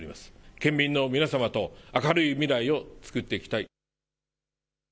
県民の皆様と明るい未来をつくっていきたい。